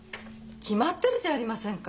決まってるじゃありませんか。